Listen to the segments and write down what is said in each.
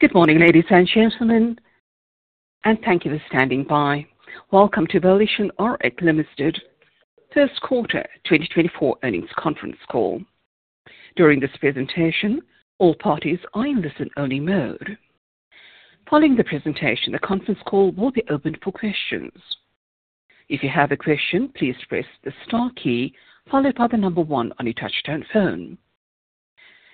Good morning, ladies and gentlemen, and thank you for standing by. Welcome to VolitionRx Limited First Quarter 2024 Earnings Conference Call. During this presentation, all parties are in listen-only mode. Following the presentation, the conference call will be opened for questions. If you have a question, please press the star key followed by the number one on your touchtone phone.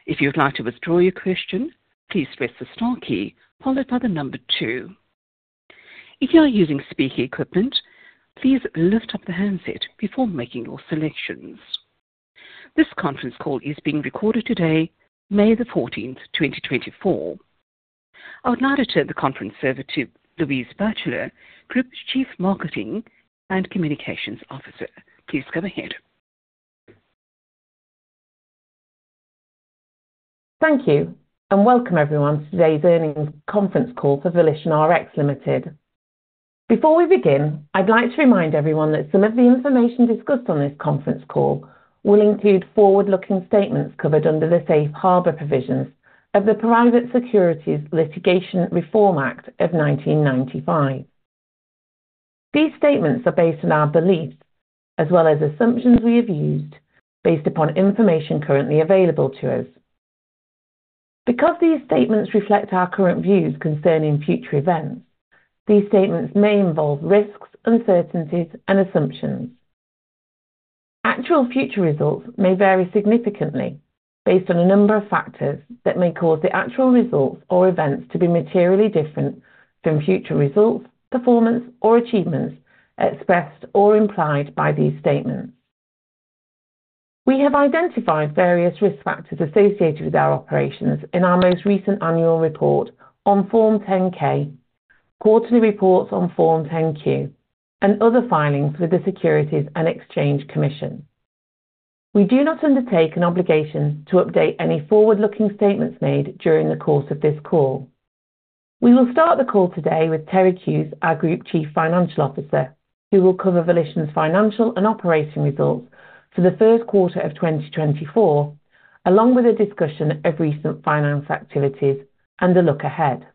If you would like to withdraw your question, please press the star key followed by the number two. If you are using speaker equipment, please lift up the handset before making your selections. This conference call is being recorded today, May the 14th, 2024. I would now return the conference over to Louise Batchelor, Group Chief Marketing and Communications Officer. Please go ahead. Thank you, and welcome everyone to today's earnings conference call for VolitionRx Limited. Before we begin, I'd like to remind everyone that some of the information discussed on this conference call will include forward-looking statements covered under the Safe Harbor provisions of the Private Securities Litigation Reform Act of 1995. These statements are based on our beliefs, as well as assumptions we have used, based upon information currently available to us. Because these statements reflect our current views concerning future events, these statements may involve risks, uncertainties, and assumptions. Actual future results may vary significantly based on a number of factors that may cause the actual results or events to be materially different from future results, performance, or achievements expressed or implied by these statements. We have identified various risk factors associated with our operations in our most recent annual report on Form 10-K, quarterly reports on Form 10-Q, and other filings with the Securities and Exchange Commission. We do not undertake an obligation to update any forward-looking statements made during the course of this call. We will start the call today with Terig Hughes, our Group Chief Financial Officer, who will cover Volition's financial and operating results for the first quarter of 2024, along with a discussion of recent finance activities and a look ahead.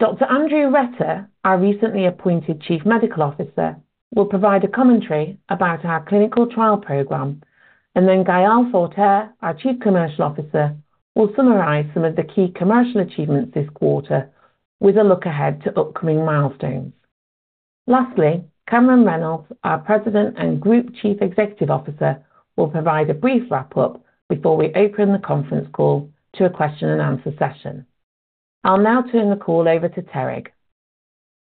Dr. Andrew Retter, our recently appointed Chief Medical Officer, will provide a commentary about our clinical trial program, and then Gael Forterre, our Chief Commercial Officer, will summarize some of the key commercial achievements this quarter with a look ahead to upcoming milestones. Lastly, Cameron Reynolds, our President and Group Chief Executive Officer, will provide a brief wrap-up before we open the conference call to a question and answer session. I'll now turn the call over to Terig.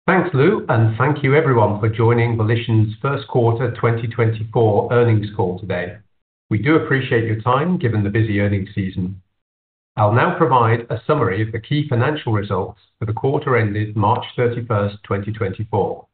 Thanks, Lou, and thank you everyone for joining Volition's first quarter 2024 earnings call today. We do appreciate your time, given the busy earnings season. I'll now provide a summary of the key financial results for the quarter ended March 31st, 2024.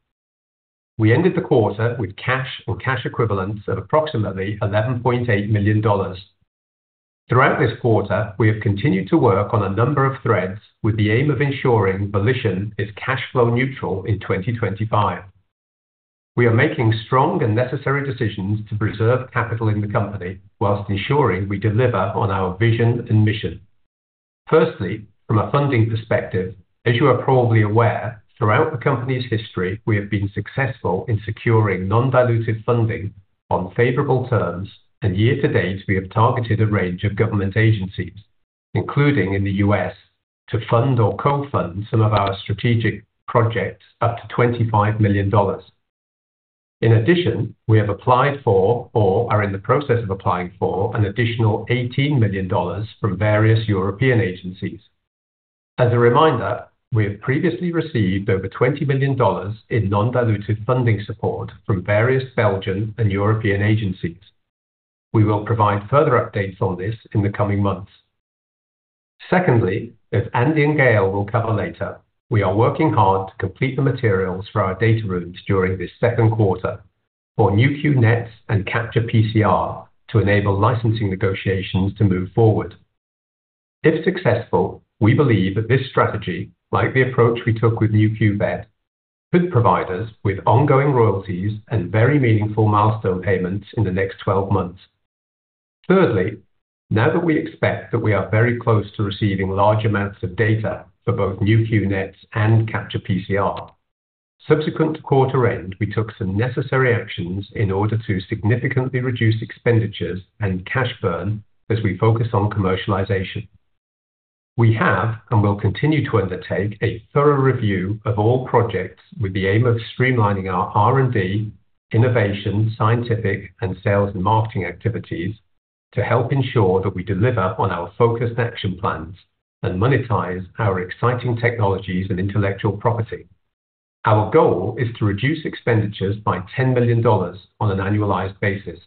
We ended the quarter with cash or cash equivalents of approximately $11.8 million. Throughout this quarter, we have continued to work on a number of threads with the aim of ensuring Volition is cash flow neutral in 2025. We are making strong and necessary decisions to preserve capital in the company, while ensuring we deliver on our vision and mission. Firstly, from a funding perspective, as you are probably aware, throughout the company's history, we have been successful in securing non-dilutive funding on favorable terms, and year to date, we have targeted a range of government agencies, including in the US, to fund or co-fund some of our strategic projects, up to $25 million. In addition, we have applied for or are in the process of applying for an additional $18 million from various European agencies. As a reminder, we have previously received over $20 million in non-dilutive funding support from various Belgian and European agencies. We will provide further updates on this in the coming months. Secondly, as Andy and Gael will cover later, we are working hard to complete the materials for our data rooms during this second quarter for Nu.Q NETs and Capture-PCR to enable licensing negotiations to move forward. If successful, we believe that this strategy, like the approach we took with Nu.Q Vet, could provide us with ongoing royalties and very meaningful milestone payments in the next 12 months. Thirdly, now that we expect that we are very close to receiving large amounts of data for both Nu.Q NETs and Capture-PCR, subsequent to quarter end, we took some necessary actions in order to significantly reduce expenditures and cash burn as we focus on commercialization. We have, and will continue to undertake, a thorough review of all projects with the aim of streamlining our R&D, innovation, scientific, and sales and marketing activities to help ensure that we deliver on our focused action plans and monetize our exciting technologies and intellectual property. Our goal is to reduce expenditures by $10 million on an annualized basis.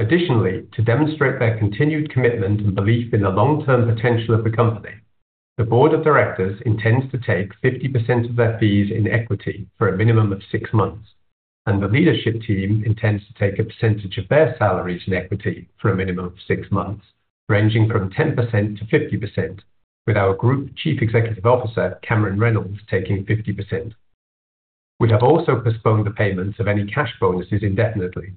Additionally, to demonstrate their continued commitment and belief in the long-term potential of the company, the board of directors intends to take 50% of their fees in equity for a minimum of six months, and the leadership team intends to take a percentage of their salaries in equity for a minimum of six months, ranging from 10%-50%, with our Group Chief Executive Officer, Cameron Reynolds, taking 50%. We have also postponed the payments of any cash bonuses indefinitely.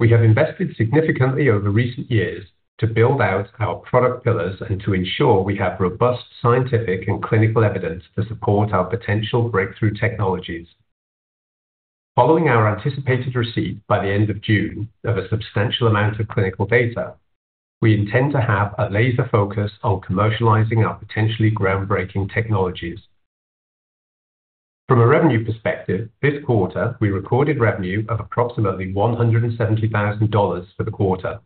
We have invested significantly over recent years to build out our product pillars and to ensure we have robust scientific and clinical evidence to support our potential breakthrough technologies. Following our anticipated receipt by the end of June of a substantial amount of clinical data, we intend to have a laser focus on commercializing our potentially groundbreaking technologies. From a revenue perspective, this quarter, we recorded revenue of approximately $170,000 for the quarter,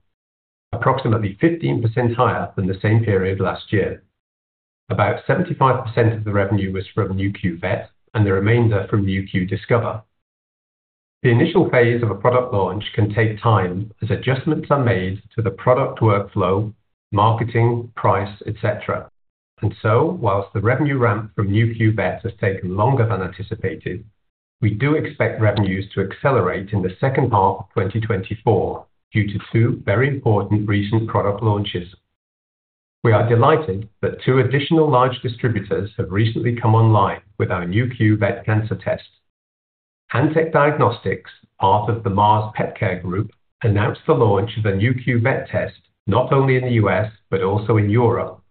approximately 15% higher than the same period last year. About 75% of the revenue was from Nu.Q Vet, and the remainder from Nu.Q Discover. The initial phase of a product launch can take time as adjustments are made to the product workflow, marketing, price, et cetera. And so, while the revenue ramp from Nu.Q Vet has taken longer than anticipated, we do expect revenues to accelerate in the second half of 2024 due to two very important recent product launches. We are delighted that two additional large distributors have recently come online with our Nu.Q Vet Cancer Test. Antech Diagnostics, part of the Mars Petcare Group, announced the launch of a Nu.Q Vet test, not only in the U.S., but also in Europe,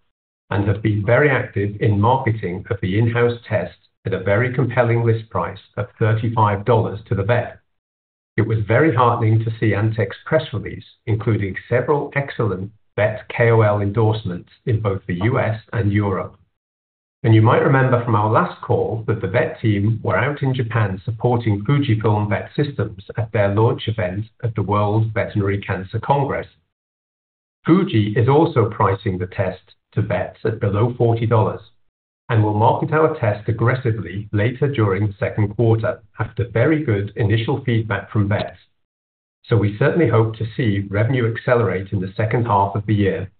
and have been very active in marketing of the in-house test at a very compelling list price of $35 to the vet. It was very heartening to see Antech's press release, including several excellent vet KOL endorsements in both the U.S. and Europe. You might remember from our last call that the vet team were out in Japan supporting Fujifilm Vet Systems at their launch event at the World Veterinary Cancer Congress. Fuji is also pricing the test to vets at below $40 and will market our test aggressively later during the second quarter after very good initial feedback from vets. So we certainly hope to see revenue accelerate in the second half of the year.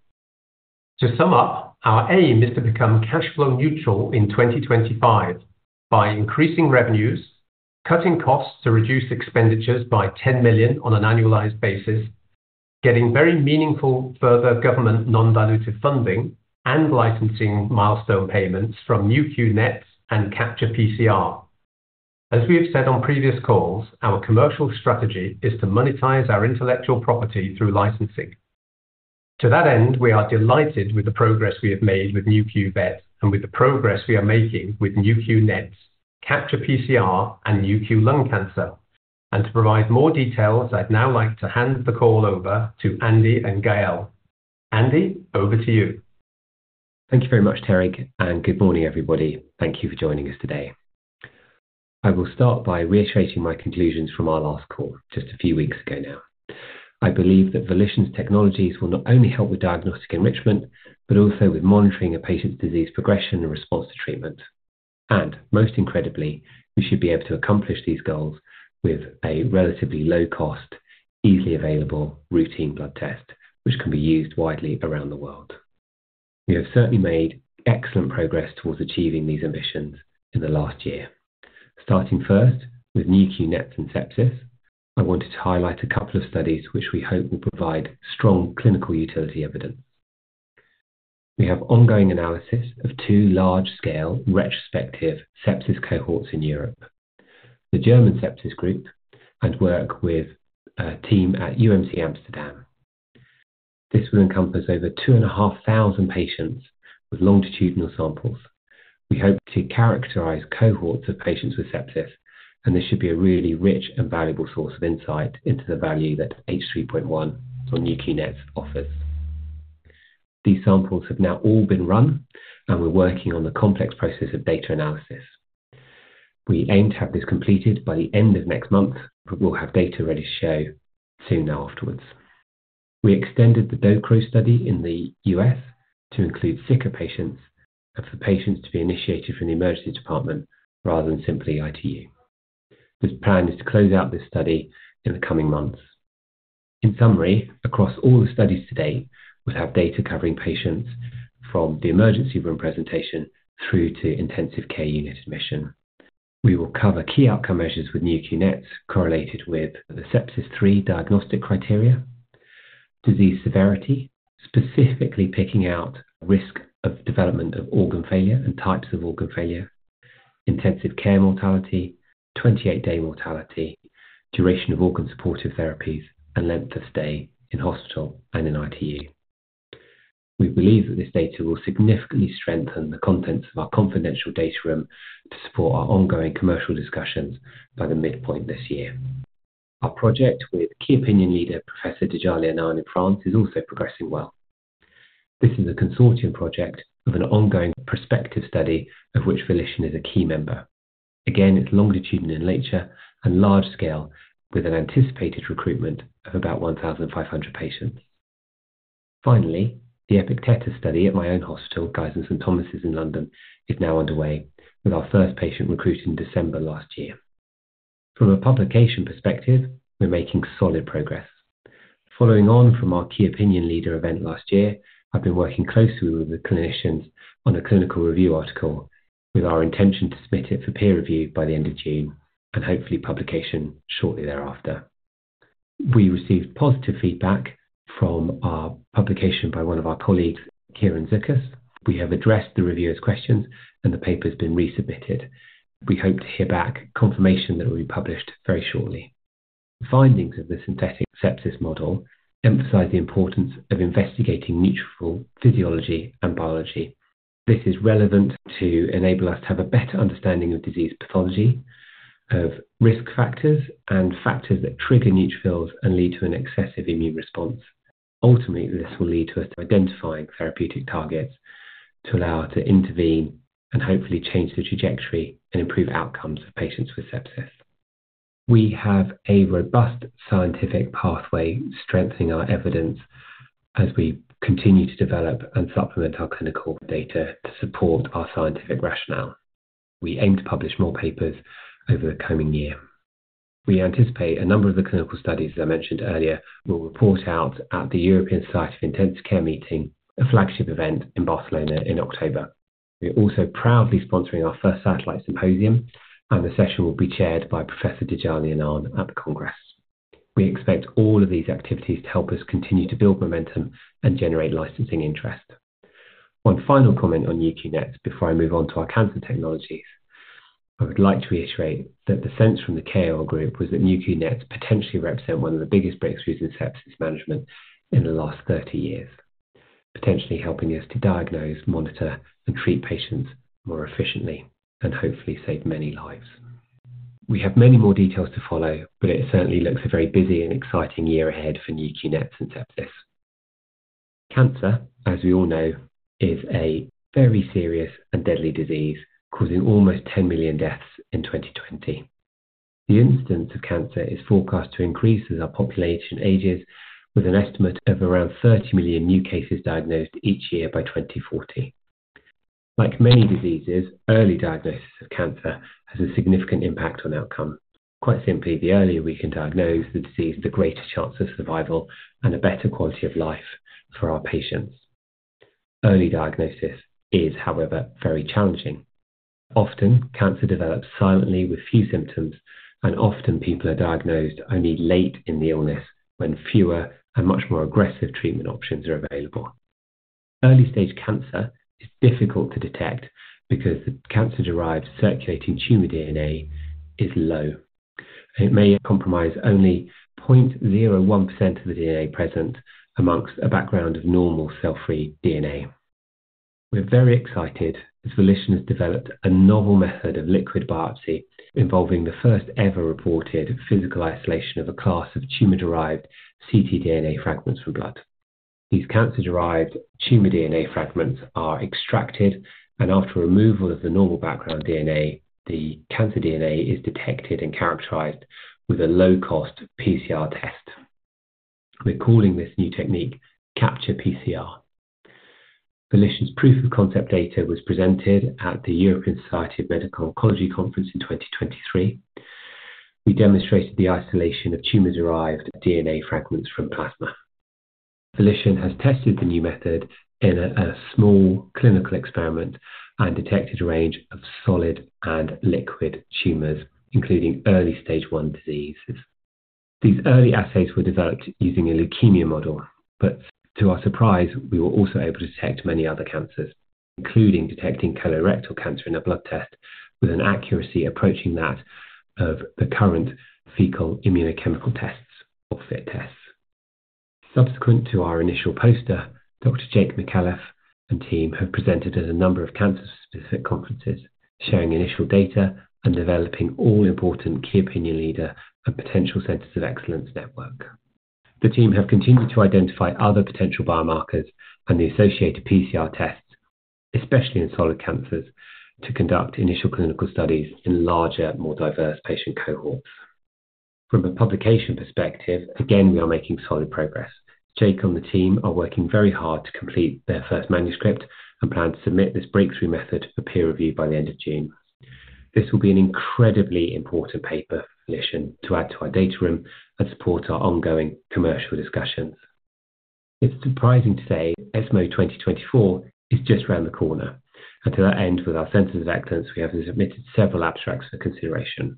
To sum up, our aim is to become cash flow neutral in 2025 by increasing revenues, cutting costs to reduce expenditures by $10 million on an annualized basis, getting very meaningful further government non-dilutive funding, and licensing milestone payments from Nu.Q NETs and Capture-PCR. As we have said on previous calls, our commercial strategy is to monetize our intellectual property through licensing. To that end, we are delighted with the progress we have made with Nu.Q Vet and with the progress we are making with Nu.Q NETs, Capture-PCR, and Nu.Q Lung Cancer. And to provide more details, I'd now like to hand the call over to Andy and Gael. Andy, over to you. Thank you very much, Terig, and good morning, everybody. Thank you for joining us today. I will start by reiterating my conclusions from our last call just a few weeks ago now. I believe that Volition's technologies will not only help with diagnostic enrichment, but also with monitoring a patient's disease progression and response to treatment. And most incredibly, we should be able to accomplish these goals with a relatively low cost, easily available routine blood test, which can be used widely around the world. We have certainly made excellent progress towards achieving these ambitions in the last year. Starting first with Nu.Q NETs and sepsis. I wanted to highlight a couple of studies which we hope will provide strong clinical utility evidence. We have ongoing analysis of two large-scale retrospective sepsis cohorts in Europe, the German Sepsis Group, and work with a team at Amsterdam UMC. This will encompass over 2,500 patients with longitudinal samples. We hope to characterize cohorts of patients with sepsis, and this should be a really rich and valuable source of insight into the value that H3.1 or Nu.Q NETs offers. These samples have now all been run, and we're working on the complex process of data analysis. We aim to have this completed by the end of next month, but we'll have data ready to show soon afterwards. We extended the DxCRO study in the U.S. to include sicker patients and for patients to be initiated from the emergency department rather than simply ITU. This plan is to close out this study in the coming months. In summary, across all the studies to date, we'll have data covering patients from the emergency room presentation through to intensive care unit admission. We will cover key outcome measures with Nu.Q NETs, correlated with the Sepsis-3 diagnostic criteria, disease severity, specifically picking out risk of development of organ failure and types of organ failure, intensive care mortality, 28-day mortality, duration of organ supportive therapies, and length of stay in hospital and in ITU. We believe that this data will significantly strengthen the contents of our confidential data room to support our ongoing commercial discussions by the midpoint this year. Our project with key opinion leader, Professor Djillali Annane in France, is also progressing well. This is a consortium project with an ongoing prospective study, of which Volition is a key member. Again, it's longitudinal in nature and large scale, with an anticipated recruitment of about 1,500 patients. Finally, the EPICTETUS study at my own hospital, Guy's and St Thomas' in London, is now underway, with our first patient recruited in December last year. From a publication perspective, we're making solid progress. Following on from our key opinion leader event last year, I've been working closely with the clinicians on a clinical review article, with our intention to submit it for peer review by the end of June and hopefully publication shortly thereafter. We received positive feedback from our publication by one of our colleagues, Kieran Lukas. We have addressed the reviewer's questions, and the paper's been resubmitted. We hope to hear back confirmation that it will be published very shortly. Findings of the synthetic sepsis model emphasize the importance of investigating neutrophil physiology and biology. This is relevant to enable us to have a better understanding of disease pathology, of risk factors, and factors that trigger neutrophils and lead to an excessive immune response. Ultimately, this will lead to us identifying therapeutic targets to allow us to intervene and hopefully change the trajectory and improve outcomes of patients with sepsis. We have a robust scientific pathway strengthening our evidence as we continue to develop and supplement our clinical data to support our scientific rationale. We aim to publish more papers over the coming year. We anticipate a number of the clinical studies, as I mentioned earlier, will report out at the European Society of Intensive Care Medicine, a flagship event in Barcelona in October. We are also proudly sponsoring our first satellite symposium, and the session will be chaired by Professor Djillali Annane at the Congress. We expect all of these activities to help us continue to build momentum and generate licensing interest. One final comment on Nu.Q NETs before I move on to our cancer technologies. I would like to reiterate that the sense from the KR group was that Nu.Q NETs potentially represent one of the biggest breakthroughs in sepsis management in the last 30 years, potentially helping us to diagnose, monitor, and treat patients more efficiently and hopefully save many lives. We have many more details to follow, but it certainly looks a very busy and exciting year ahead for Nu.Q NETs and sepsis. Cancer, as we all know, is a very serious and deadly disease, causing almost 10 million deaths in 2020. The incidence of cancer is forecast to increase as our population ages, with an estimate of around 30 million new cases diagnosed each year by 2040. Like many diseases, early diagnosis of cancer has a significant impact on outcome. Quite simply, the earlier we can diagnose the disease, the greater chance of survival and a better quality of life for our patients. Early diagnosis is, however, very challenging. Often, cancer develops silently with few symptoms, and often people are diagnosed only late in the illness, when fewer and much more aggressive treatment options are available. Early-stage cancer is difficult to detect because the cancer-derived circulating tumor DNA is low. It may compromise only 0.01% of the DNA present amongst a background of normal cell-free DNA. We're very excited that Volition has developed a novel method of liquid biopsy, involving the first ever reported physical isolation of a class of tumor-derived ctDNA fragments from blood. These cancer-derived tumor DNA fragments are extracted, and after removal of the normal background DNA, the cancer DNA is detected and characterized with a low-cost PCR test. We're calling this new technique Capture PCR. Volition's proof of concept data was presented at the European Society of Medical Oncology Conference in 2023. We demonstrated the isolation of tumor-derived DNA fragments from plasma. Volition has tested the new method in a small clinical experiment and detected a range of solid and liquid tumors, including early stage one diseases. These early assays were developed using a leukemia model, but to our surprise, we were also able to detect many other cancers, including detecting colorectal cancer in a blood test, with an accuracy approaching that of the current fecal immunochemical tests or FIT tests. Subsequent to our initial poster, Dr. Jake Micallef and team have presented at a number of cancer-specific conferences, sharing initial data and developing all-important key opinion leader and potential Centers of Excellence network. The team have continued to identify other potential biomarkers and the associated PCR tests, especially in solid cancers, to conduct initial clinical studies in larger, more diverse patient cohorts. From a publication perspective, again, we are making solid progress. Jake and the team are working very hard to complete their first manuscript and plan to submit this breakthrough method for peer review by the end of June. This will be an incredibly important paper for Volition to add to our data room and support our ongoing commercial discussions. It's surprising to say ESMO 2024 is just around the corner, and to that end, with our Centers of Excellence, we have submitted several abstracts for consideration.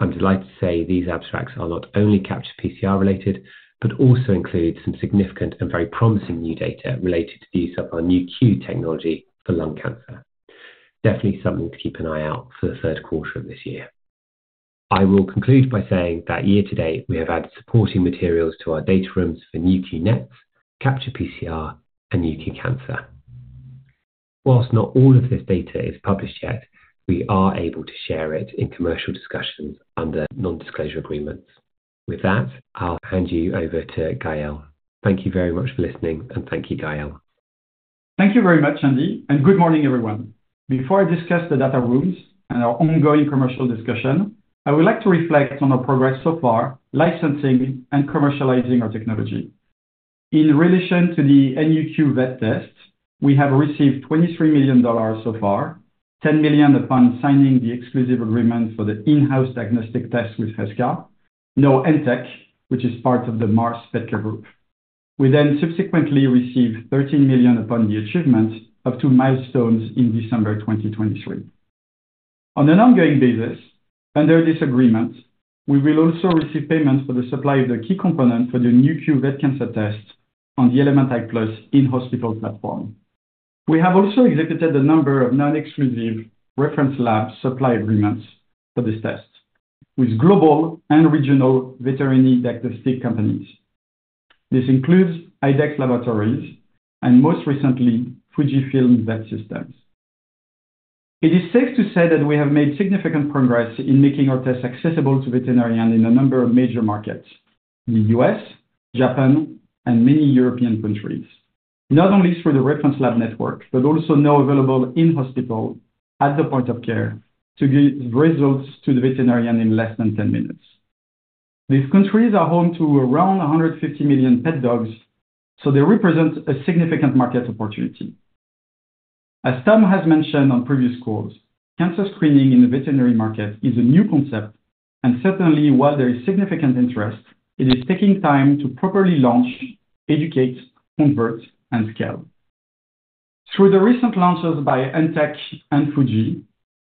I'm delighted to say these abstracts are not only Capture PCR-related, but also include some significant and very promising new data related to the use of our Nu.Q technology for lung cancer. Definitely something to keep an eye out for the third quarter of this year. I will conclude by saying that year to date, we have added supporting materials to our data rooms for Nu.Q NETs, Capture PCR, and Nu.Q Cancer. While not all of this data is published yet, we are able to share it in commercial discussions under non-disclosure agreements. With that, I'll hand you over to Gael. Thank you very much for listening, and thank you, Gael. Thank you very much, Andy, and good morning, everyone. Before I discuss the data rooms and our ongoing commercial discussion, I would like to reflect on our progress so far, licensing and commercializing our technology. In relation to the Nu.Q Vet test, we have received $23 million so far, $10 million upon signing the exclusive agreement for the in-house diagnostic test with Heska, now Antech, which is part of the Mars Petcare Group. We then subsequently received $13 million upon the achievement of two milestones in December 2023. On an ongoing basis, under this agreement, we will also receive payments for the supply of the key component for the Nu.Q Vet cancer test on the Element i+ in-hospital platform. We have also executed a number of non-exclusive reference lab supply agreements for this test with global and regional veterinary diagnostic companies. This includes Idexx Laboratories and most recently, Fujifilm Vet Systems. It is safe to say that we have made significant progress in making our tests accessible to veterinarians in a number of major markets: the U.S., Japan, and many European countries. Not only through the reference lab network, but also now available in-hospital at the point of care to give results to the veterinarian in less than 10 minutes. These countries are home to around 150 million pet dogs, so they represent a significant market opportunity. As Tom has mentioned on previous calls, cancer screening in the veterinary market is a new concept, and certainly, while there is significant interest, it is taking time to properly launch, educate, convert, and scale. Through the recent launches by Antech and Fuji,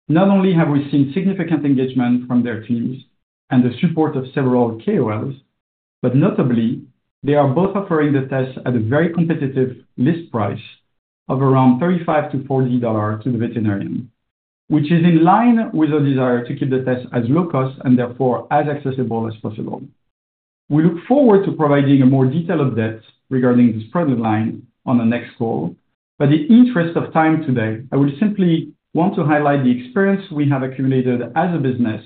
not only have we seen significant engagement from their teams and the support of several KOLs, but notably, they are both offering the test at a very competitive list price of around $35-$40 to the veterinarian, which is in line with our desire to keep the test as low cost and therefore as accessible as possible. We look forward to providing a more detailed update regarding this product line on the next call, but in the interest of time today, I would simply want to highlight the experience we have accumulated as a business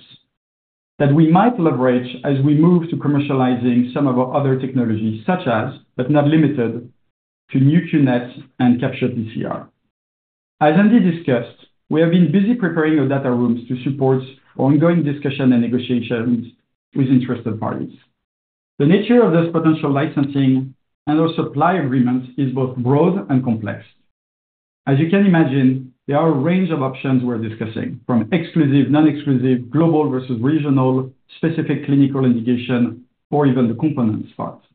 that we might leverage as we move to commercializing some of our other technologies, such as, but not limited to Nu.Q NETs and Capture-PCR. As Andy discussed, we have been busy preparing our data rooms to support our ongoing discussion and negotiations with interested parties. The nature of this potential licensing and our supply agreements is both broad and complex. As you can imagine, there are a range of options we're discussing, from exclusive, non-exclusive, global versus regional, specific clinical indication, or even the component parts.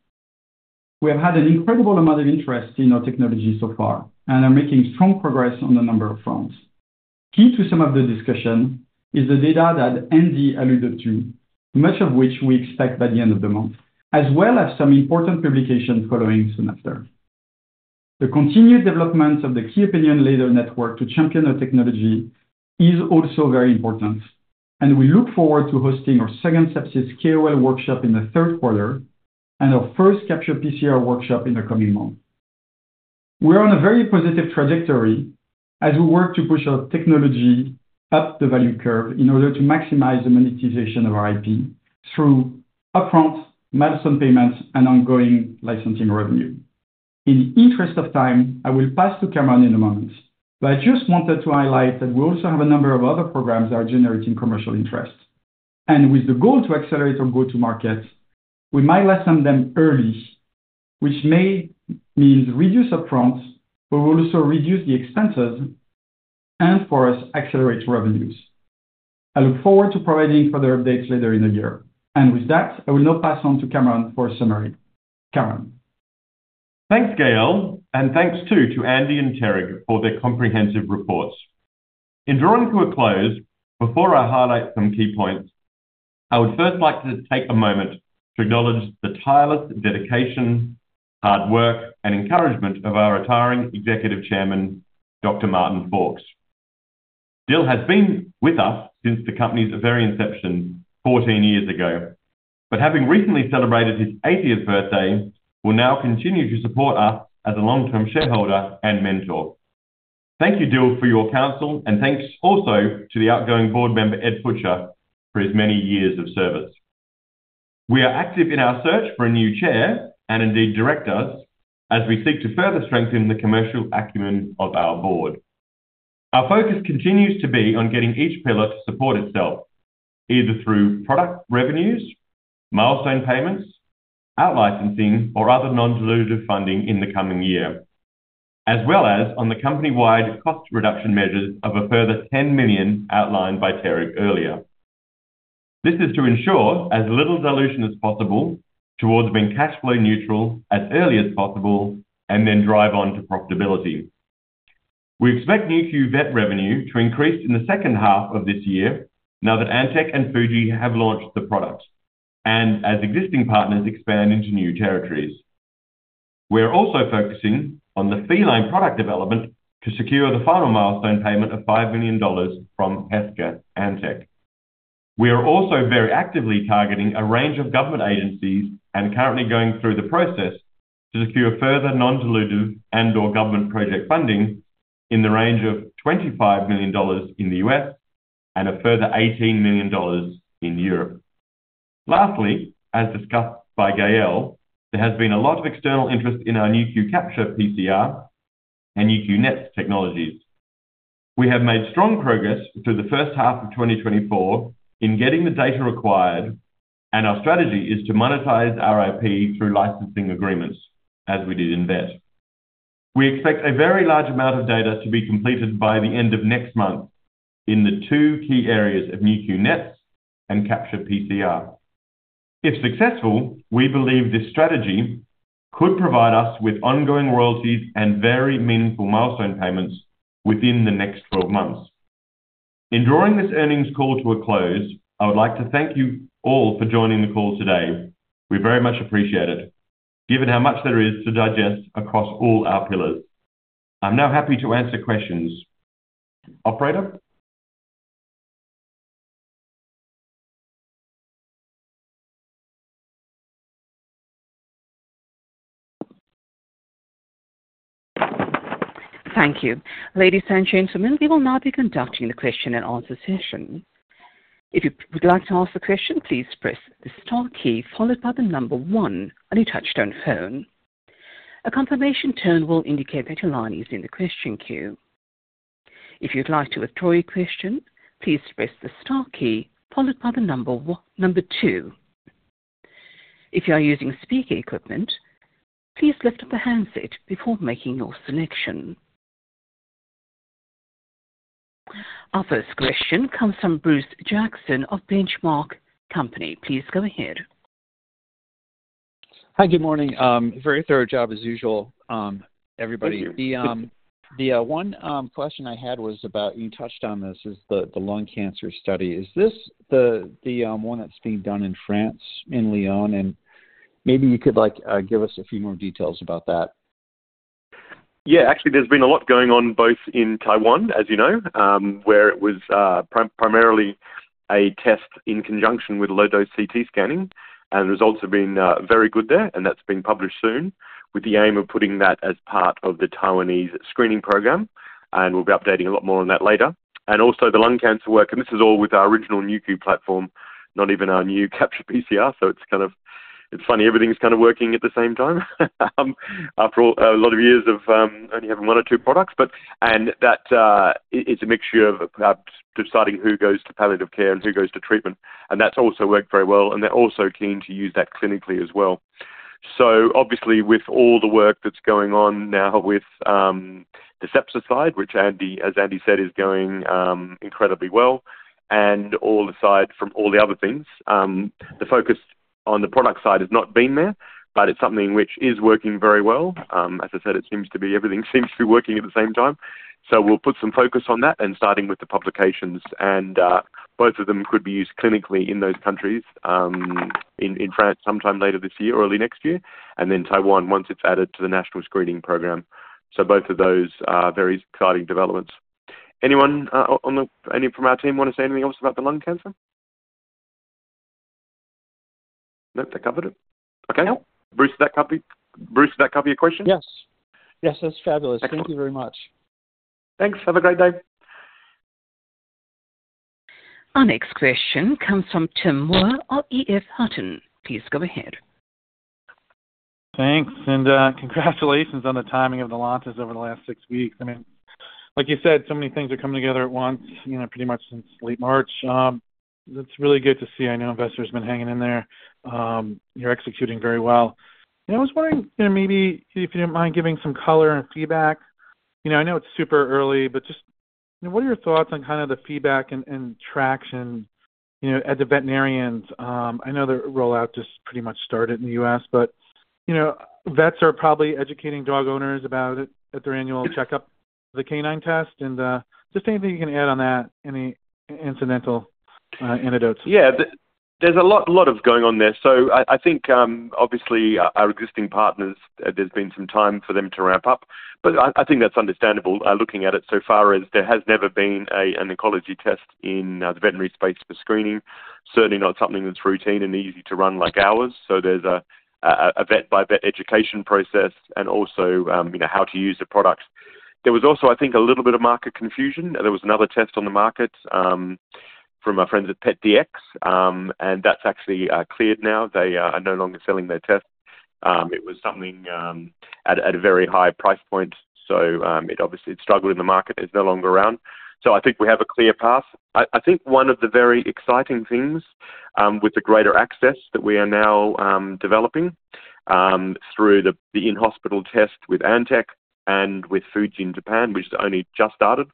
We have had an incredible amount of interest in our technology so far and are making strong progress on a number of fronts. Key to some of the discussion is the data that Andy alluded to, much of which we expect by the end of the month, as well as some important publication following soon after. The continued development of the key opinion leader network to champion our technology is also very important, and we look forward to hosting our second sepsis KOL workshop in the third quarter and our first Capture-PCR workshop in the coming months. We are on a very positive trajectory as we work to push our technology up the value curve in order to maximize the monetization of our IP through upfront milestone payments and ongoing licensing revenue. In the interest of time, I will pass to Cameron in a moment, but I just wanted to highlight that we also have a number of other programs that are generating commercial interest. With the goal to accelerate our go-to market, we might license them early, which may mean reduce upfront, but will also reduce the expenses and for us, accelerate revenues. I look forward to providing further updates later in the year. With that, I will now pass on to Cameron for a summary. Cameron? Thanks, Gael, and thanks too to Andy and Terry for their comprehensive reports. In drawing to a close, before I highlight some key points, I would first like to take a moment to acknowledge the tireless dedication, hard work, and encouragement of our retiring Executive Chairman, Dr. Martin Faulkes. Dill has been with us since the company's very inception 14 years ago, but having recently celebrated his 80th birthday, will now continue to support us as a long-term shareholder and mentor. Thank you, Dill, for your counsel, and thanks also to the outgoing board member, Ed Futcher, for his many years of service. We are active in our search for a new chair and indeed directors, as we seek to further strengthen the commercial acumen of our board. Our focus continues to be on getting each pillar to support itself, either through product revenues, milestone payments, out-licensing, or other non-dilutive funding in the coming year, as well as on the company-wide cost reduction measures of a further $10 million outlined by Terry earlier. This is to ensure as little dilution as possible towards being cash flow neutral as early as possible, and then drive on to profitability. We expect Nu.Q Vet revenue to increase in the second half of this year now that Antech and Fuji have launched the product, and as existing partners expand into new territories. We are also focusing on the feline product development to secure the final milestone payment of $5 million from Heska Antech. We are also very actively targeting a range of government agencies and currently going through the process to secure further non-dilutive and/or government project funding in the range of $25 million in the U.S. and a further $18 million in Europe. Lastly, as discussed by Gael, there has been a lot of external interest in our Nu.Q Capture-PCR and Nu.Q NET technologies. We have made strong progress through the first half of 2024 in getting the data required, and our strategy is to monetize our IP through licensing agreements, as we did in vet. We expect a very large amount of data to be completed by the end of next month in the two key areas of Nu.Q NET and Capture-PCR. ...If successful, we believe this strategy could provide us with ongoing royalties and very meaningful milestone payments within the next 12 months. In drawing this earnings call to a close, I would like to thank you all for joining the call today. We very much appreciate it, given how much there is to digest across all our pillars. I'm now happy to answer questions. Operator? Thank you. Ladies and gentlemen, we will now be conducting the question and answer session. If you would like to ask a question, please press the star key followed by the number one on your touchtone phone. A confirmation tone will indicate that your line is in the question queue. If you'd like to withdraw your question, please press the star key followed by the number two. If you are using speaker equipment, please lift up the handset before making your selection. Our first question comes from Bruce Jackson of Benchmark Company. Please go ahead. Hi, good morning. Very thorough job as usual, everybody. Thank you. The one question I had was about, you touched on this, is the one that's being done in France, in Lyon? And maybe you could, like, give us a few more details about that. Yeah, actually, there's been a lot going on, both in Taiwan, as you know, where it was primarily a test in conjunction with low-dose CT scanning, and the results have been very good there. And that's being published soon with the aim of putting that as part of the Taiwanese screening program, and we'll be updating a lot more on that later. And also the lung cancer work, and this is all with our original NuQ platform, not even our new capture PCR. So it's kind of... It's funny, everything's kind of working at the same time, after a lot of years of only having one or two products. But it's a mixture of perhaps deciding who goes to palliative care and who goes to treatment, and that's also worked very well, and they're also keen to use that clinically as well. So obviously, with all the work that's going on now with the sepsis side, which Andy, as Andy said, is going incredibly well, and all aside from all the other things, the focus on the product side has not been there, but it's something which is working very well. As I said, it seems to be everything seems to be working at the same time. So we'll put some focus on that and starting with the publications, and both of them could be used clinically in those countries, in France, sometime later this year or early next year, and then Taiwan, once it's added to the national screening program. So both of those are very exciting developments. Anyone, anyone from our team want to say anything else about the lung cancer? Nope, they covered it. Okay. Yep. Bruce, did that cover, Bruce, did that cover your question? Yes. Yes, that's fabulous. Excellent. Thank you very much. Thanks. Have a great day. Our next question comes from Tim Moore of EF Hutton. Please go ahead. Thanks and congratulations on the timing of the launches over the last six weeks. I mean, like you said, so many things are coming together at once, you know, pretty much since late March. It's really good to see. I know investors have been hanging in there. You're executing very well. And I was wondering, you know, maybe if you didn't mind giving some color and feedback. You know, I know it's super early, but just, you know, what are your thoughts on kind of the feedback and traction, you know, at the veterinarians? I know the rollout just pretty much started in the U.S., but, you know, vets are probably educating dog owners about it at their annual checkup, the canine test, and just anything you can add on that, any incidental anecdotes? Yeah. There's a lot of going on there. So I think, obviously, our existing partners, there's been some time for them to ramp up, but I think that's understandable, looking at it so far as there has never been an oncology test in the veterinary space for screening. Certainly not something that's routine and easy to run like ours. So there's a vet by vet education process and also, you know, how to use the product. There was also, I think, a little bit of market confusion. There was another test on the market, from our friends at PetDx, and that's actually cleared now. They are no longer selling their test. It was something at a very high price point, so it obviously struggled in the market; it's no longer around. So I think we have a clear path. I think one of the very exciting things with the greater access that we are now developing through the in-hospital test with Antech and with Fuji in Japan, which only just started,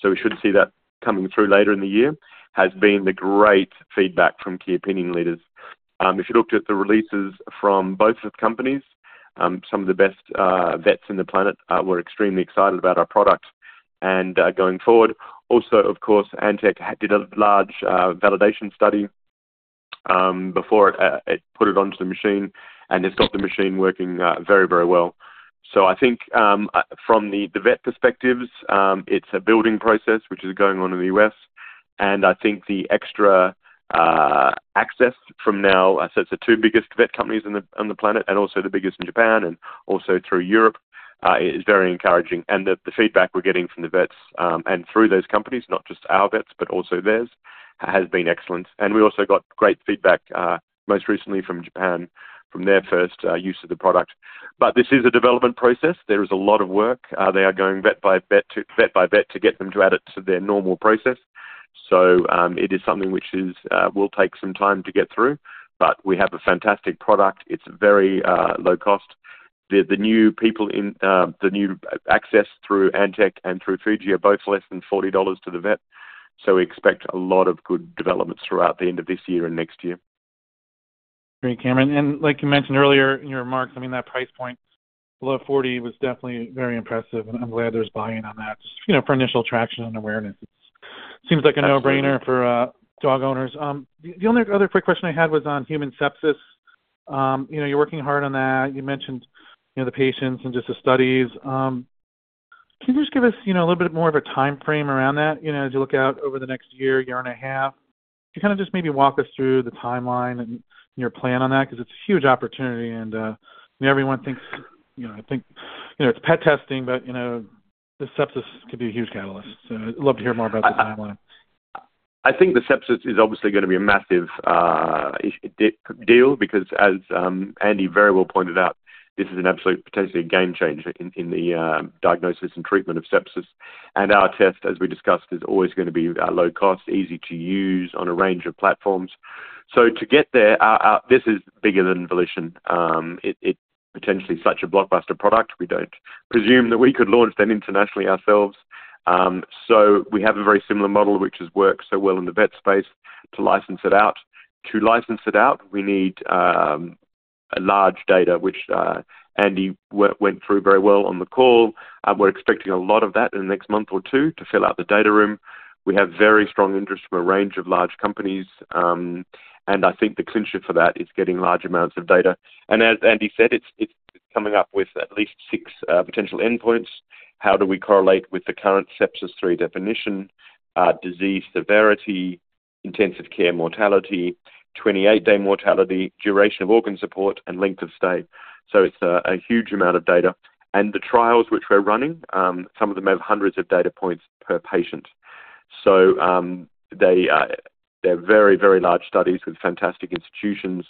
so we should see that coming through later in the year, has been the great feedback from key opinion leaders. If you looked at the releases from both of the companies, some of the best vets on the planet were extremely excited about our product and going forward. Also, of course, Antech did a large validation study before it put it onto the machine, and it's got the machine working very, very well. So I think from the vet perspectives it's a building process which is going on in the U.S., and I think the extra access from now, as I said, the two biggest vet companies on the planet and also the biggest in Japan and also through Europe is very encouraging. And the feedback we're getting from the vets and through those companies, not just our vets, but also theirs, has been excellent. And we also got great feedback most recently from Japan, from their first use of the product. But this is a development process. There is a lot of work. They are going vet by vet to get them to add it to their normal process. So, it is something which is, will take some time to get through, but we have a fantastic product. It's very low cost. The new people in the new access through Antech and through Fuji are both less than $40 to the vet, so we expect a lot of good developments throughout the end of this year and next year. Great, Cameron. And like you mentioned earlier in your remarks, I mean, that price point below $40 was definitely very impressive, and I'm glad there's buy-in on that. Just, you know, for initial traction and awareness, it seems like a no-brainer- Absolutely. -for dog owners. The only other quick question I had was on human sepsis. You know, you're working hard on that. You mentioned, you know, the patients and just the studies. Can you just give us, you know, a little bit more of a timeframe around that? You know, as you look out over the next year, year and a half, can you kinda just maybe walk us through the timeline and your plan on that? Because it's a huge opportunity, and, you know, everyone thinks, you know, I think, you know, it's pet testing, but, you know, the sepsis could be a huge catalyst. So I'd love to hear more about the timeline. I think the sepsis is obviously gonna be a massive deal because as Andy very well pointed out, this is an absolute potentially a game changer in the diagnosis and treatment of sepsis. Our test, as we discussed, is always gonna be low cost, easy to use on a range of platforms. To get there, this is bigger than Volition. It's potentially such a blockbuster product. We don't presume that we could launch them internationally, ourselves. We have a very similar model, which has worked so well in the vet space to license it out. To license it out, we need a large data, which Andy went through very well on the call. We're expecting a lot of that in the next month or two to fill out the data room. We have very strong interest from a range of large companies, and I think the clincher for that is getting large amounts of data. And as Andy said, it's coming up with at least 6 potential endpoints. How do we correlate with the current Sepsis-3 definition, disease severity, intensive care mortality, 28-day mortality, duration of organ support, and length of stay? So it's a huge amount of data, and the trials which we're running, some of them have hundreds of data points per patient. So they're very, very large studies with fantastic institutions.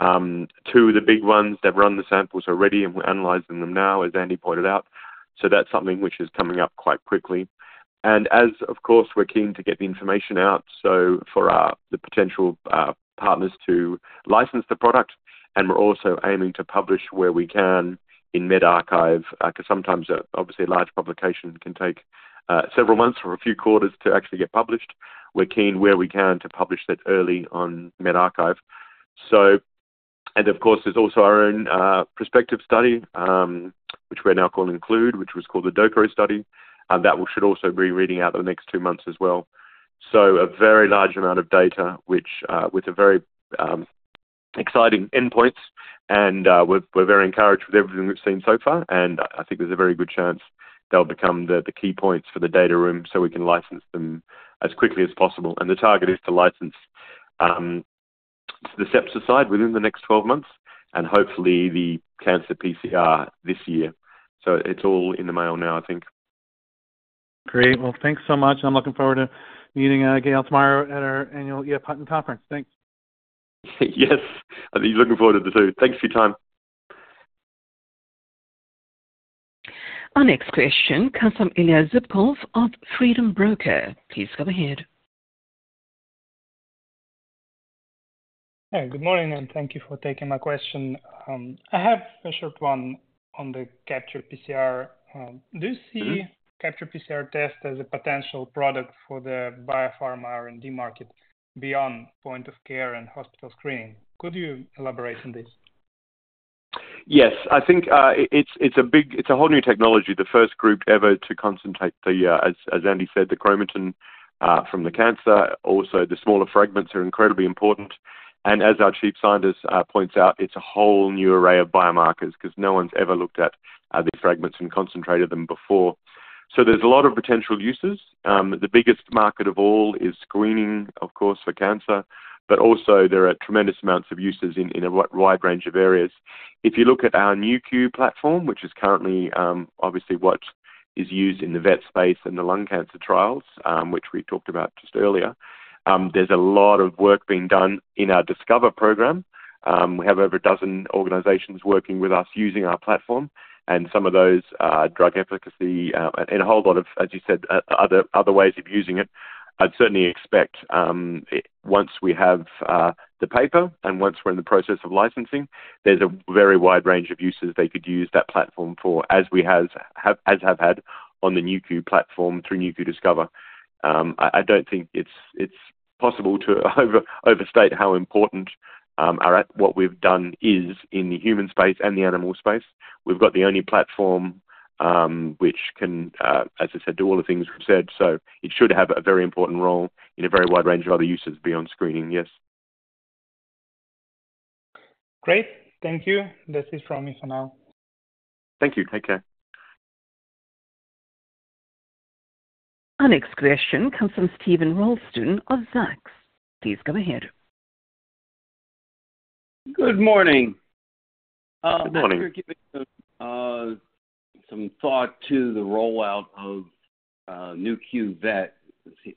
Two of the big ones, they've run the samples already, and we're analyzing them now, as Andy pointed out. So that's something which is coming up quite quickly. And as of course, we're keen to get the information out, so for our, the potential, partners to license the product, and we're also aiming to publish where we can in medRxiv. 'Cause sometimes, obviously, a large publication can take several months or a few quarters to actually get published. We're keen where we can, to publish that early on medRxiv. So... And of course, there's also our own, prospective study, which we're now calling INCLUDE, which was called the DxCRO study, and that we should also be reading out over the next two months as well. So a very large amount of data, which with a very exciting endpoints and we're very encouraged with everything we've seen so far, and I think there's a very good chance they'll become the key points for the data room, so we can license them as quickly as possible. The target is to license the sepsis side within the next 12 months and hopefully the Capture-PCR this year. It's all in the mail now, I think. Great. Well, thanks so much, and I'm looking forward to meeting, Gael, tomorrow at our annual EF Hutton Conference. Thanks. Yes, I'm looking forward to it, too. Thanks for your time. Our next question comes from Ilya Zubkov of Freedom Capital Markets. Please go ahead. Hey, good morning, and thank you for taking my question. I have a short one on the Capture-PCR. Do you see- Capture-PCR test as a potential product for the biopharma R&D market beyond point of care and hospital screening? Could you elaborate on this? Yes. I think it's a big... It's a whole new technology. The first group ever to concentrate the, as Andy said, the chromatin from the cancer. Also, the smaller fragments are incredibly important, and as our chief scientist points out, it's a whole new array of biomarkers because no one's ever looked at these fragments and concentrated them before. So there's a lot of potential uses. The biggest market of all is screening, of course, for cancer, but also there are tremendous amounts of uses in a wide range of areas. If you look at our Nu.Q platform, which is currently obviously what is used in the vet space and the lung cancer trials, which we talked about just earlier, there's a lot of work being done in our Discover program. We have over a dozen organizations working with us, using our platform, and some of those are drug efficacy, and a whole lot of, as you said, other, other ways of using it. I'd certainly expect, once we have, the paper and once we're in the process of licensing, there's a very wide range of uses they could use that platform for, as we have, have, as have had on the Nu.Q platform through Nu.Q Discover. I don't think it's, it's possible to over, overstate how important, what we've done is in the human space and the animal space. We've got the only platform, which can, as I said, do all the things we've said. So it should have a very important role in a very wide range of other uses beyond screening. Yes. Great. Thank you. That's it from me for now. Thank you. Take care. Our next question comes from Steven Ralston of Zacks. Please go ahead. Good morning. Good morning. After giving some thought to the rollout of Nu.Q Vet,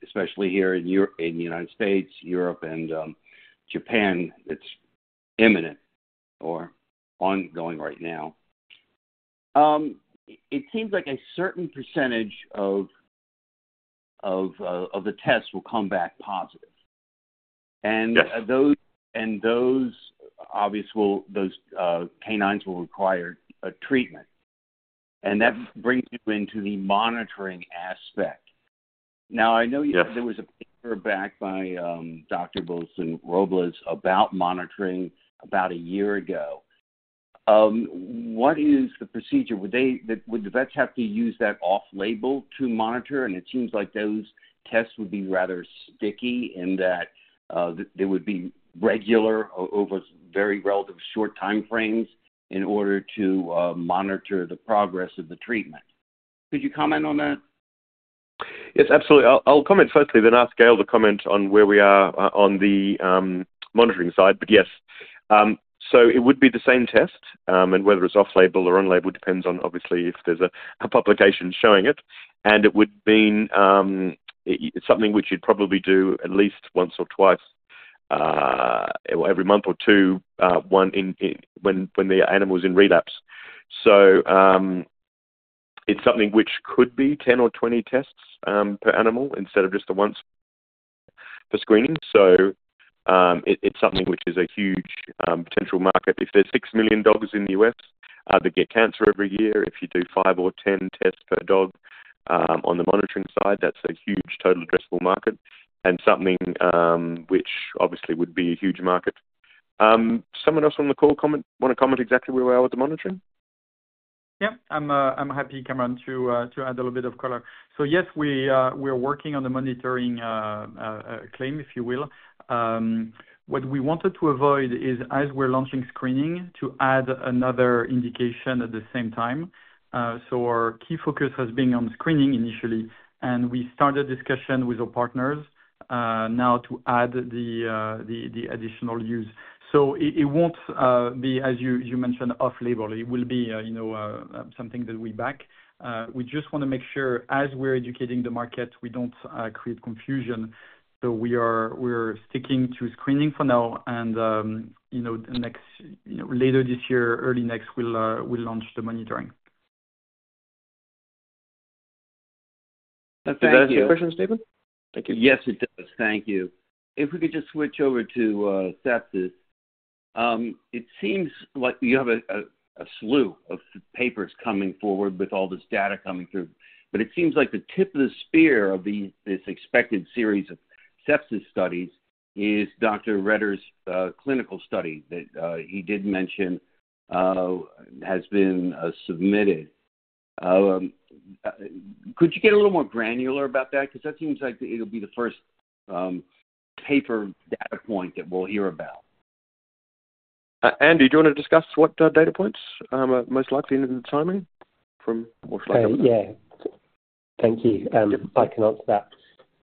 especially here in the United States, Europe, and Japan, it's imminent or ongoing right now. It seems like a certain percentage of-... of the test will come back positive. And- those, and those obvious ones will, those canines will require a treatment. And that brings you into the monitoring aspect. Now, I know- There was a paper back by Dr. Wilson-Robles about monitoring about a year ago. What is the procedure? Would they, would the vets have to use that off-label to monitor? And it seems like those tests would be rather sticky, in that, they would be regular over very relative short time frames in order to monitor the progress of the treatment. Could you comment on that? Yes, absolutely. I'll, I'll comment firstly, then ask Gael to comment on where we are on the monitoring side, but yes. So it would be the same test, and whether it's off-label or on-label, depends on obviously, if there's a publication showing it. And it would been something which you'd probably do at least once or twice every month or two, one in when the animal is in relapse. So it's something which could be 10 or 20 tests per animal, instead of just the one for screening. So it, it's something which is a huge potential market. If there's 6 million dogs in the U.S., that get cancer every year, if you do five or 10 tests per dog, on the monitoring side, that's a huge total addressable market and something, which obviously would be a huge market. Someone else on the call want to comment exactly where we are with the monitoring? Yeah, I'm happy, Cameron, to add a little bit of color. So yes, we are working on the monitoring claim, if you will. What we wanted to avoid is, as we're launching screening, to add another indication at the same time. So our key focus has been on screening initially, and we started discussion with our partners now to add the additional use. So it won't be, as you mentioned, off label. It will be, you know, something that we back. We just wanna make sure as we're educating the market, we don't create confusion. So we are sticking to screening for now and, you know, next, later this year, early next, we'll launch the monitoring. Thank you. Does that answer your question, Steven? Thank you. Yes, it does. Thank you. If we could just switch over to sepsis. It seems like you have a slew of papers coming forward with all this data coming through, but it seems like the tip of the spear of this expected series of sepsis studies is Dr. Retter's clinical study that he did mention has been submitted. Could you get a little more granular about that? Because that seems like it'll be the first paper data point that we'll hear about. Andy, do you want to discuss what data points are most likely and the timing from more- Yeah. Thank you. I can answer that.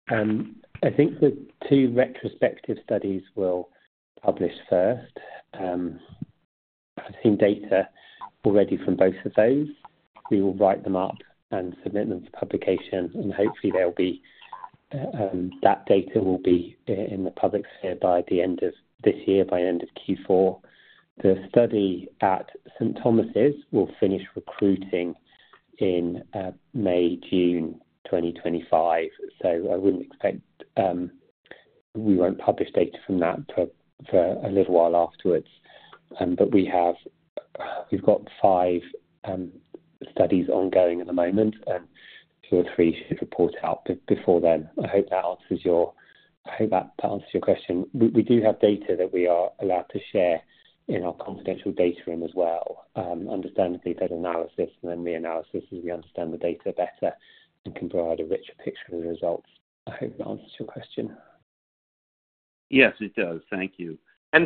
I think the two retrospective studies will publish first. I've seen data already from both of those. We will write them up and submit them to publication, and hopefully they'll be, that data will be in the public sphere by the end of this year, by end of Q4. The study at St. Thomas' will finish recruiting in May, June 2025. So I wouldn't expect... we won't publish data from that for a little while afterwards. But we have, we've got five studies ongoing at the moment, and two or three should report out before then. I hope that answers your question. We do have data that we are allowed to share in our confidential data room as well. Understandably, better analysis than the analysis, as we understand the data better and can provide a richer picture of the results. I hope that answers your question. Yes, it does. Thank you.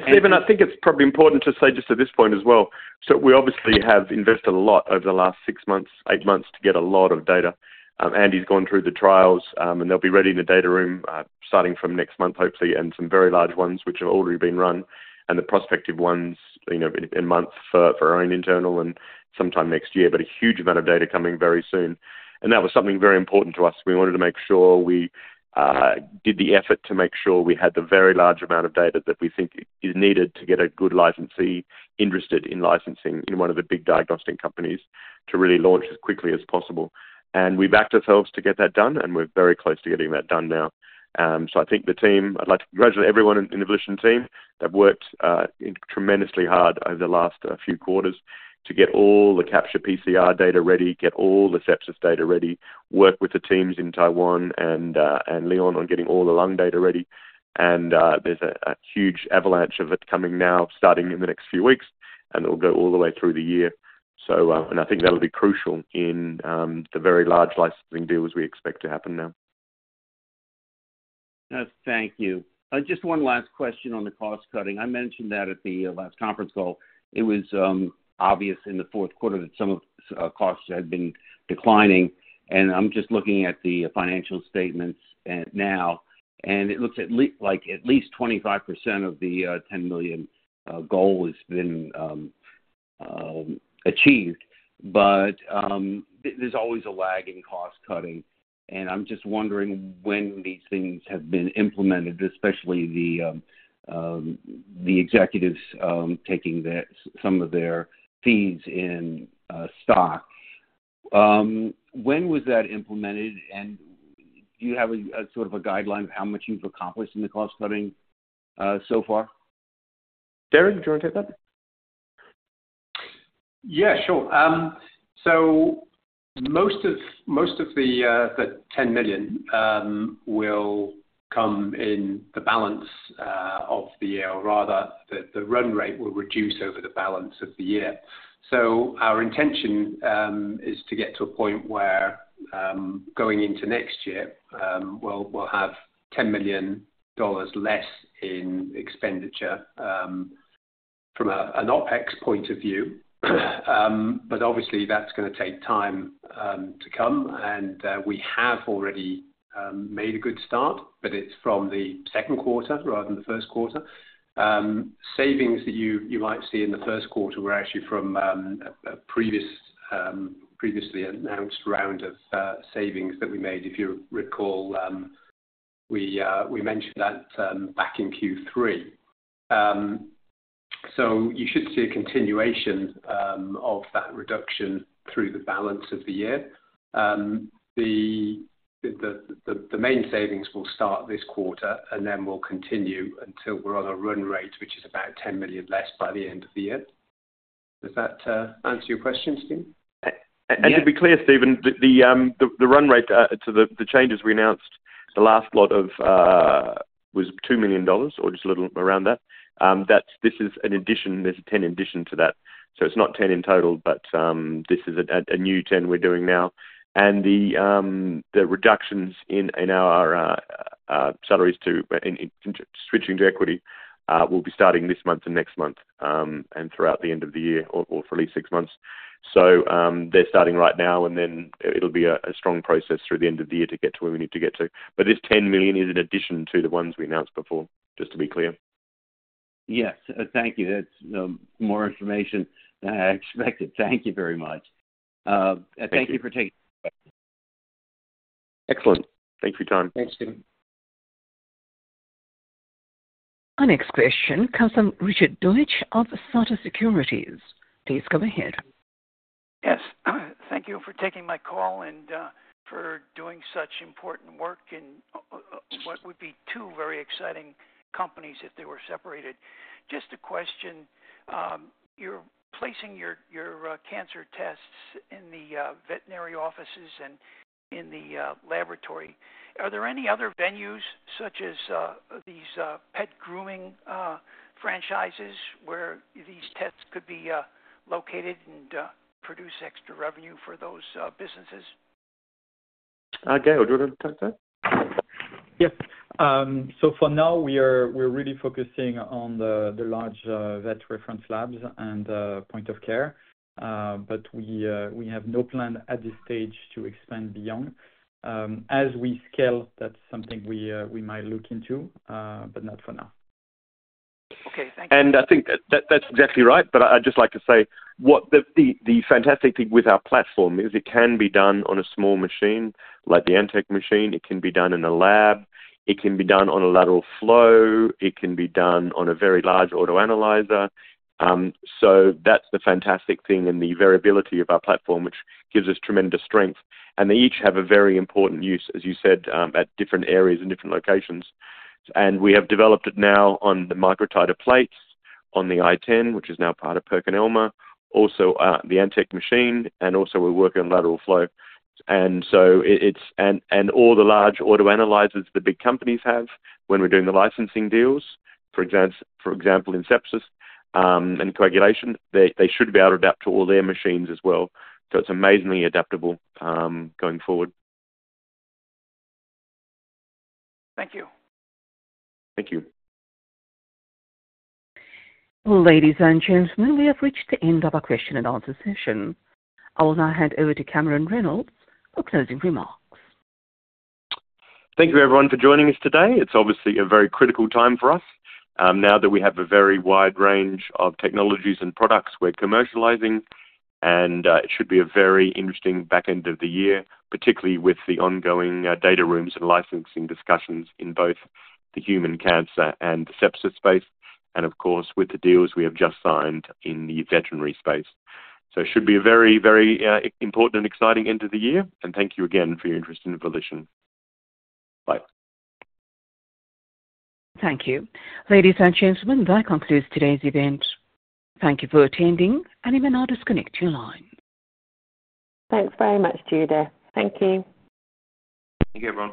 Steven, I think it's probably important to say, just at this point as well, so we obviously have invested a lot over the last 6 months, 8 months, to get a lot of data. Andy's gone through the trials, and they'll be ready in the data room, starting from next month, hopefully, and some very large ones, which have already been run. The prospective ones, you know, in months for our own internal and sometime next year, but a huge amount of data coming very soon. That was something very important to us. We wanted to make sure we did the effort to make sure we had the very large amount of data that we think is needed to get a good licensee interested in licensing in one of the big diagnostic companies, to really launch as quickly as possible. And we backed ourselves to get that done, and we're very close to getting that done now. So I think the team—I'd like to congratulate everyone in the Volition team that worked tremendously hard over the last few quarters to get all the Capture-PCR data ready, get all the sepsis data ready, work with the teams in Taiwan and Lyon on getting all the lung data ready. And there's a huge avalanche of it coming now, starting in the next few weeks, and it'll go all the way through the year. So and I think that'll be crucial in the very large licensing deals we expect to happen now. Thank you. Just one last question on the cost cutting. I mentioned that at the last conference call, it was obvious in the fourth quarter that some of costs had been declining, and I'm just looking at the financial statements now, and it looks like at least 25% of the $10 million goal has been achieved. But there's always a lag in cost cutting, and I'm just wondering when these things have been implemented, especially the executives taking some of their fees in stock. When was that implemented, and do you have a sort of a guideline of how much you've accomplished in the cost cutting so far? Terig, do you want to take that? Yeah, sure. So most of the $10 million will come in the balance of the year, or rather, the run rate will reduce over the balance of the year. So our intention is to get to a point where, going into next year, we'll have $10 million less in expenditure from an OpEx point of view. But obviously, that's gonna take time to come, and we have already made a good start, but it's from the second quarter rather than the first quarter. Savings that you might see in the first quarter were actually from a previously announced round of savings that we made. If you recall, we mentioned that back in Q3. So you should see a continuation of that reduction through the balance of the year. The main savings will start this quarter, and then will continue until we're on a run rate, which is about $10 million less by the end of the year. Does that answer your question, Steve? And to be clear, Stephen, the run rate to the changes we announced, the last lot of was $2 million or just a little around that. That's— This is an addition. There's a $10 million addition to that. So it's not $10 million in total, but this is a new $10 million we're doing now. And the reductions in our salaries to in switching to equity will be starting this month and next month, and throughout the end of the year or for at least six months. So, they're starting right now, and then it'll be a strong process through the end of the year to get to where we need to get to. This $10 million is an addition to the ones we announced before, just to be clear. Yes. Thank you. That's more information than I expected. Thank you very much. Thank you for taking my question. Excellent. Thank you, John. Thanks. Our next question comes from Richard Deutsch of Sutter Securities. Please go ahead. Yes. Thank you for taking my call and for doing such important work in what would be two very exciting companies if they were separated. Just a question, you're placing your cancer tests in the veterinary offices and in the laboratory. Are there any other venues such as these pet grooming franchises, where these tests could be located and produce extra revenue for those businesses? Gael, would you like to take that? Yes. So for now, we're really focusing on the large vet reference labs and point of care. But we have no plan at this stage to expand beyond. As we scale, that's something we might look into, but not for now. Okay, thank you. And I think that that's exactly right, but I'd just like to say what the fantastic thing with our platform is it can be done on a small machine, like the Antech machine. It can be done in a lab. It can be done on a lateral flow. It can be done on a very large autoanalyzer. So that's the fantastic thing and the variability of our platform, which gives us tremendous strength. And they each have a very important use, as you said, at different areas and different locations. And we have developed it now on the microtiter plates, on the i10, which is now part of PerkinElmer, also the Antech machine, and also we're working on lateral flow. And so it is... All the large autoanalyzers the big companies have when we're doing the licensing deals, for example, in sepsis and coagulation, they should be able to adapt to all their machines as well. It's amazingly adaptable going forward. Thank you. Thank you. Ladies and gentlemen, we have reached the end of our question and answer session. I will now hand over to Cameron Reynolds for closing remarks. Thank you, everyone, for joining us today. It's obviously a very critical time for us, now that we have a very wide range of technologies and products we're commercializing, and it should be a very interesting back end of the year, particularly with the ongoing data rooms and licensing discussions in both the human cancer and the sepsis space, and of course, with the deals we have just signed in the veterinary space. So it should be a very, very important and exciting end of the year. And thank you again for your interest in Volition. Bye. Thank you. Ladies and gentlemen, that concludes today's event. Thank you for attending, and you may now disconnect your line. Thanks very much, Judith. Thank you. Thank you, everyone.